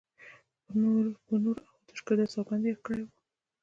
په نور او آتشکدو سوګند یاد کړی و.